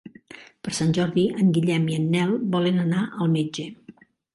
Per Sant Jordi en Guillem i en Nel volen anar al metge.